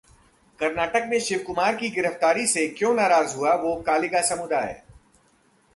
कर्नाटक में शिवकुमार की गिरफ्तारी से क्यों नाराज हुआ वोक्कालिगा समुदाय